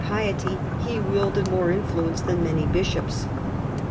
251 piety he wielded more influence than many bishops.